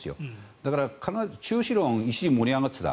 だから、必ず中止論が一時盛り上がっていた。